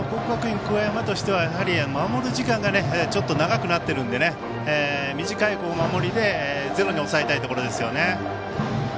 国学院久我山としては守る時間がちょっと長くなってるので短い守りでゼロに抑えたいところですよね。